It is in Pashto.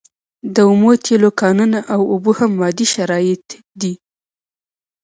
د اومو تیلو کانونه او اوبه هم مادي شرایط دي.